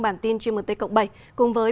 bản tin gmt cộng bảy cùng với